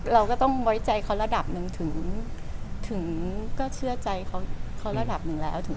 เราก็ต้องไว้ใจเขาระดับหนึ่งถึงก็เชื่อใจเขาระดับหนึ่งแล้ว